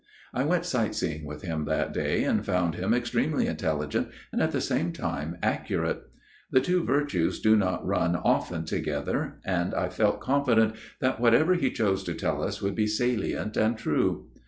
I went sight seeing with him that day ; and found him extremely intelligent and at the same time accurate. The two virtues do not run often together ; and I felt confident that whatever he chose to tell us would be salient and true.